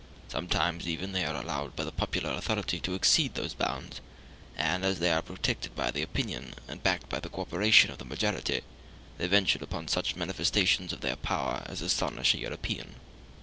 Sometimes, even, they are allowed by the popular authority to exceed those bounds; and as they are protected by the opinion, and backed by the co operation, of the majority, they venture upon such manifestations of their power as astonish a European.